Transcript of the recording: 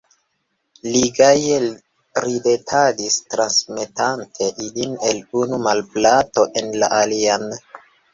Li gaje ridetadis, transmetante ilin el unu manplato en la alian.